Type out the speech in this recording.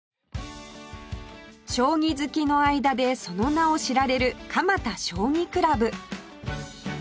将棋好きの間でその名を知られる蒲田将棋クラブ